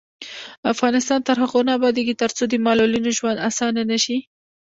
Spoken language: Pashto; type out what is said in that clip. افغانستان تر هغو نه ابادیږي، ترڅو د معلولینو ژوند اسانه نشي.